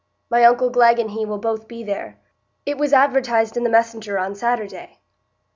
My uncle Glegg and he will both be there. It was advertised in the 'Messenger' on Saturday."